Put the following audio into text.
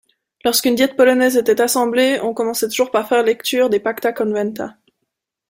Lorsqu'une diète polonaise était assemblée, on commençait toujours par faire lecture des Pacta conventa.